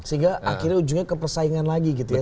sehingga akhirnya ujungnya ke persaingan lagi gitu ya